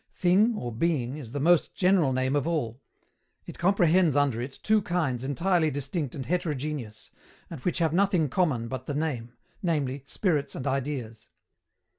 Thing or Being is the most general name of all; it comprehends under it two kinds entirely distinct and heterogeneous, and which have nothing common but the name. viz. spirits and ideas.